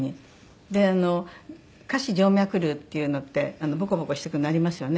で下肢静脈瘤っていうのってボコボコしてくるのありますよね。